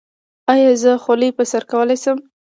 ایا زه خولۍ په سر کولی شم؟